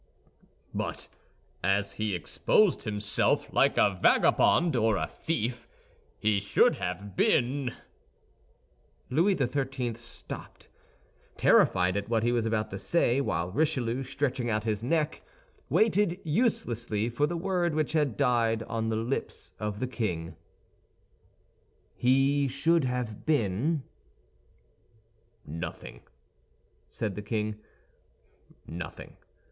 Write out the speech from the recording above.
"But as he exposed himself like a vagabond or a thief, he should have been—" Louis XIII. stopped, terrified at what he was about to say, while Richelieu, stretching out his neck, waited uselessly for the word which had died on the lips of the king. "He should have been—?" "Nothing," said the king, "nothing.